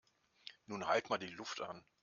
Nun halt mal die Luft an!